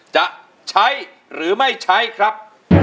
จะใช้หรือไม่ใช้ครับ